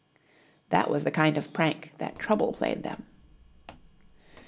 That was the kind of prank that Trouble played them.